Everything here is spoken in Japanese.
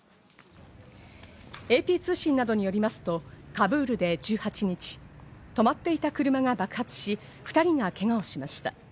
ＡＰ通信などによりますと、カブールで１８日、止まっていた車が爆発し、２人がけがをしました。